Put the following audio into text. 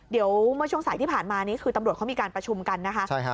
เดี๋ยวเมื่อช่วงสายที่ผ่านมานี้คือตำรวจเขามีการประชุมกันนะคะ